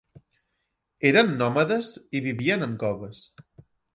Eren nòmades i vivien en coves.